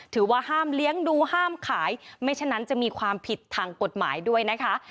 ถือว่าห้ามเลี้ยงดูห้ามขายไม่ฉะนั้นจะมีความผิดทางกฎหมายด้วยนะคะ